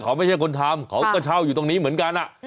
เขาไม่ใช่คนทำเขาก็เช่าอยู่ตรงนี้เหมือนกัน